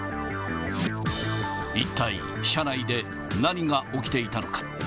一体、社内で何が起きていたのか。